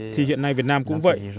thì hiện nay việt nam cũng vậy